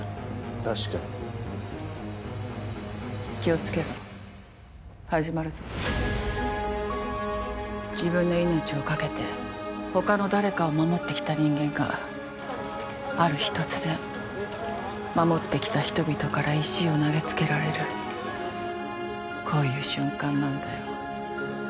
確かに気をつけろ始まるぞ自分の命をかけて他の誰かを守ってきた人間がある日突然守ってきた人々から石を投げつけられるこういう瞬間なんだよ